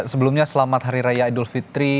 sebelumnya selamat hari raya idul fitri